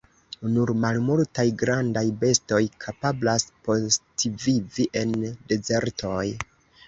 Nur malmultaj grandaj bestoj kapablas postvivi en dezertoj.